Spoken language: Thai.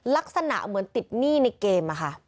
ลักษณะเหมือนติดหนี้ในเกมอะค่ะ